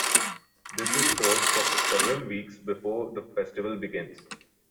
This is stored for several weeks before the festival begins.